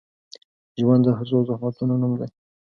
ژوند د هڅو او زحمتونو نوم دی.